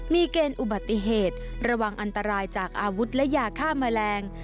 มีเกณฑ์อุบัติเหตุระวังอันตรายจากอาวุธและยาฆ่าแมลง